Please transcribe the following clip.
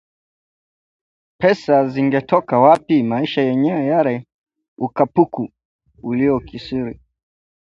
Pesa zingetoka wapi!? maisha yenyewe yale! ukapuku ulio kithiri